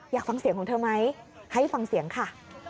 อยากฟังเสียงของเธอไหมให้ฟังเสียงค่ะ